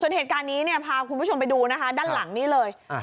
ส่วนเหตุการณ์นี้เนี่ยพาคุณผู้ชมไปดูนะคะด้านหลังนี้เลย